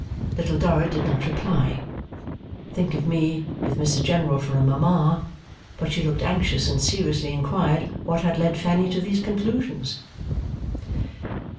Little Dorrit did not reply, 'Think of me with Mrs General for a Mama;' but she looked anxious, and seriously inquired what had led Fanny to these conclusions.